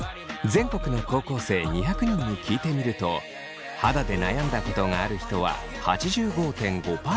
全国の高校生２００人に聞いてみると肌で悩んだことがある人は８５．５％。